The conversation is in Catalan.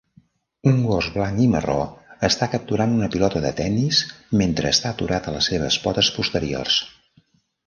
Un gos blanc i marró està capturant una pilota de tennis mentre està aturat a les seves potes posteriors.